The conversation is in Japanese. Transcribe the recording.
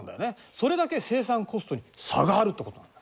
それだけ生産コストに差があるってことなんだ。